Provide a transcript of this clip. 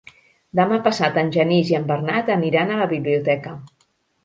Demà passat en Genís i en Bernat aniran a la biblioteca.